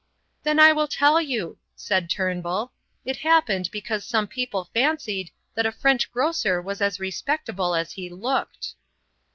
"Then I will tell you," said Turnbull; "it happened because some people fancied that a French grocer was as respectable as he looked."